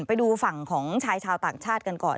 ไปดูฝั่งของชายชาวต่างชาติกันก่อน